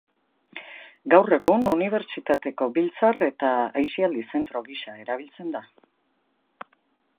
Gaur egun Unibertsitateko biltzar eta aisialdi zentro gisa erabiltzen da.